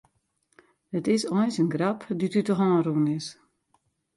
It is eins in grap dy't út de hân rûn is.